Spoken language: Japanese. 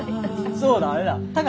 そうだあれだ。